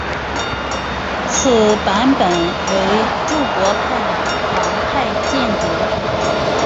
此版本为注博派的狂派间谍。